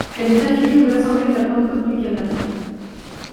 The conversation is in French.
Elle est affiliée aux Assemblées de la Pentecôte du Canada.